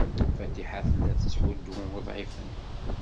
Fatiḥa tella tettḥuddu uḍɛifen.